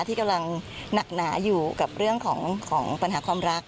ที่กำลังหนักหนาอยู่กับเรื่องของปัญหาความรัก